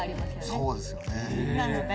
そうですよね。